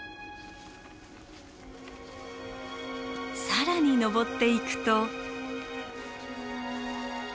更に登っていくと。